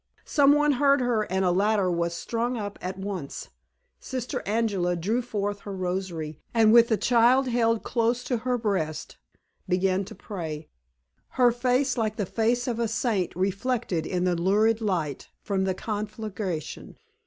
Some one heard her, and a ladder was swung up at once. Sister Angela drew forth her rosary, and with the child held close to her breast, began to pray, her face like the face of a saint reflected in the lurid light from the conflagration.